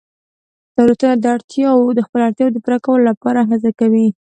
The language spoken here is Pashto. دولتونه د خپلو اړتیاوو د پوره کولو لپاره هڅه کوي